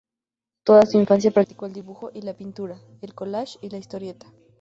Toda su infancia practicó el dibujo, la pintura, el collage y la historieta.